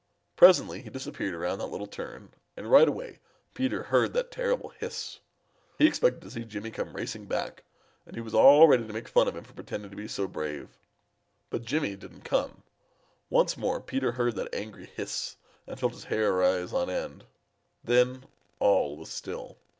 Presently he disappeared around that little turn, and right away Peter heard that terrible hiss. He expected to see Jimmy come racing back, and he was all ready to make fun of him for pretending to be so brave. But Jimmy didn't come. Once more Peter beard that angry hiss and felt his hair rise on end. Then all was still.